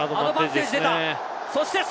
アドバンテージが出た。